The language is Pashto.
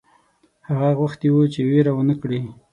هغه غوښتي وه چې وېره ونه کړي.